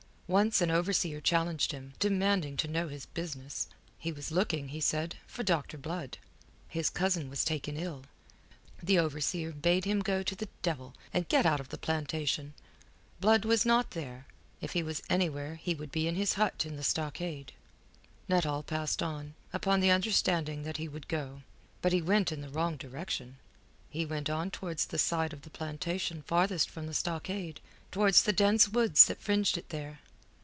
Once an overseer challenged him, demanding to know his business. He was looking, he said, for Dr. Blood. His cousin was taken ill. The overseer bade him go to the devil, and get out of the plantation. Blood was not there. If he was anywhere he would be in his hut in the stockade. Nuttall passed on, upon the understanding that he would go. But he went in the wrong direction; he went on towards the side of the plantation farthest from the stockade, towards the dense woods that fringed it there.